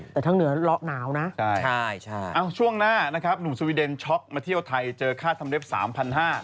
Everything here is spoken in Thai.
แต่ทั้งเหนือเลาะหนาวนะช่วงหน้านะครับหนุ่มสวีเดนช็อกมาเที่ยวไทยเจอค่าทำเล็บ๓๕๐๐บาท